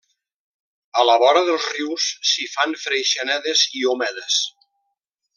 A la vora dels rius, s'hi fan freixenedes i omedes.